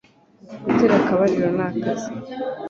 gutera akabariro ni akazi